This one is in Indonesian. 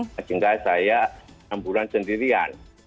sehingga saya enam bulan sendirian